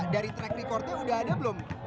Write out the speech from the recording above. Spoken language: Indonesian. dari track recordnya udah ada belum